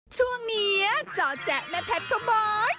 ช่วงนี้จ๊อจ๊ะแม่แพทย์พ่อบอย